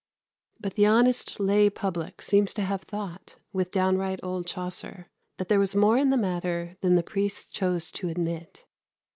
But the honest lay public seem to have thought, with downright old Chaucer, that there was more in the matter than the priests chose to admit.